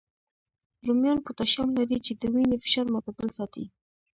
رومیان پوتاشیم لري، چې د وینې فشار معتدل ساتي